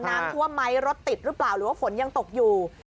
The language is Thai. น้ำท่วมไหมรถติดหรือเปล่าหรือว่าฝนยังตกอยู่